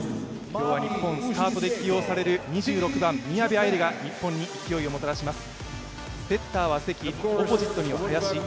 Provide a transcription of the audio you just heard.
今日は日本、スタートで起用される２６番・宮部藍梨が日本に勢いをもたらします。